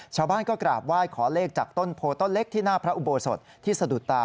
ชาวบ้านก็กราบไหว้ขอเลขจากต้นโพต้นเล็กที่หน้าพระอุโบสถที่สะดุดตา